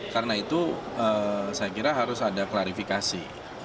karena itu saya kira harus ada klarifikasi